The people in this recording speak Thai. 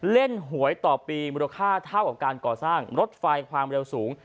หวยต่อปีมูลค่าเท่ากับการก่อสร้างรถไฟความเร็วสูง